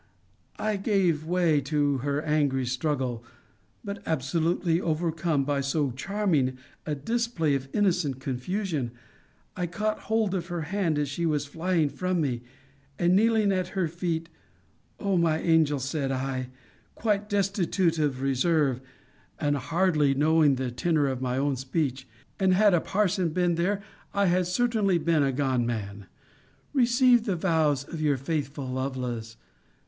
I gave way to her angry struggle; but, absolutely overcome by so charming a display of innocent confusion, I caught hold of her hand as she was flying from me, and kneeling at her fee, O my angel, said I, (quite destitute of reserve, and hardly knowing the tenor of my own speech; and had a parson been there, I had certainly been a gone man,) receive the vows of your faithful Lovelace.